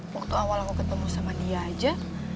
waktu awal aku ketemu sama dia aja